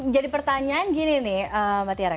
jadi pertanyaan gini nih mbak tiara